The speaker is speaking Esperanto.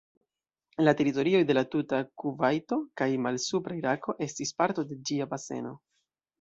La teritorioj de la tuta Kuvajto kaj malsupra Irako estis parto de ĝia baseno.